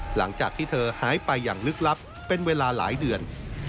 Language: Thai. หลังจากที่เธอหายไปอย่างลึกลับเป็นเวลาหลายเดือน